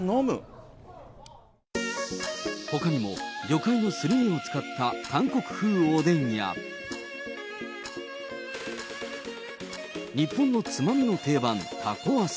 ほかにも魚介のすり身を使った韓国風おでんや、日本のつまみの定番、たこわさ。